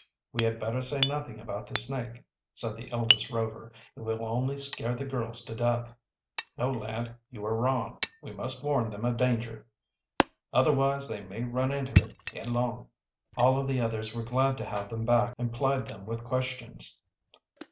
"We had better say nothing about the snake," said the eldest Rover. "It will only scare the girls to death." "No, lad, you are wrong. We must warn them of danger. Otherwise they may run into it headlong." All of the others were glad to have them back and plied them with questions.